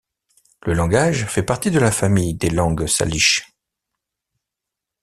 Le langage fait partie de la famille des langues salish.